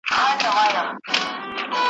افسر وویل تا وژنم دلته ځکه ,